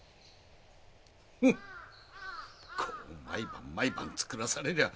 ふんこう毎晩毎晩作らされりゃ